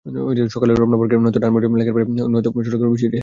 সকালে রমনা পার্কে, নয়তো ধানমন্ডি লেকের পাড়ে, নয়তো চট্টগ্রামের ডিসি হিলে হাঁটা।